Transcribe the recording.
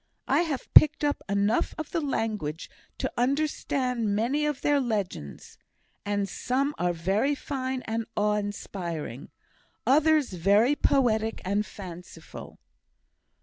I have picked up enough of the language to understand many of their legends; and some are very fine and awe inspiring, others very poetic and fanciful."